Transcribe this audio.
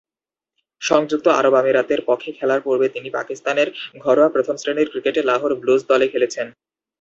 সংযুক্ত আরব আমিরাতের পক্ষে খেলার পূর্বে তিনি পাকিস্তানের ঘরোয়া প্রথম-শ্রেণীর ক্রিকেটে লাহোর ব্লুজ দলে খেলেছেন।